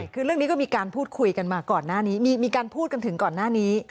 คือเรื่องนี้ก็มีการพูดคุยกันมาก่อนหน้านี้มีการพูดกันถึงก่อนหน้านี้